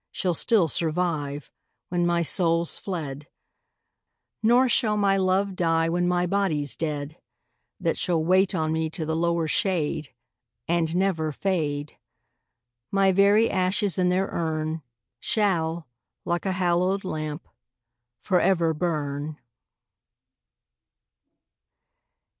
Shall still survive Wlien my soul's fled ; Nor shall my love die, when ray Ijody's dead ; That shall wait on me to the lower shade, And never fade : My very ashes in their urn Shall, like a hallowed lamp, for ever burn.